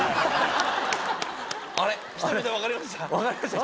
あれ？